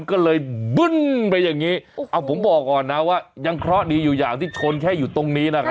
ก็เลยบึ้นไปอย่างนี้เอาผมบอกก่อนนะว่ายังเคราะห์ดีอยู่อย่างที่ชนแค่อยู่ตรงนี้นะครับ